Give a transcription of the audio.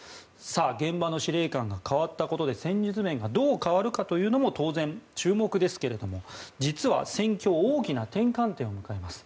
現場の司令官が代わったことで戦術面がどう変わるか当然、注目ですけれども実は戦況大きな転換点を迎えます。